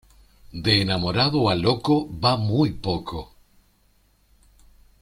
De enamorado a loco va muy poco.